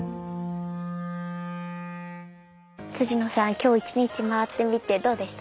野さん今日一日回ってみてどうでしたか？